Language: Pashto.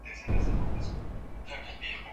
د خلګو ترمنځ باید تل خوشالي او مینه ووېشل سي.